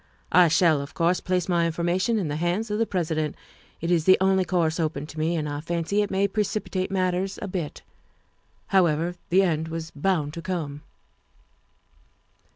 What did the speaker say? I shall, of course, place my informa tion in the hands of the President ; it is the only course open to me, and I fancy it may precipitate matters a bit. However, the end was bound to come.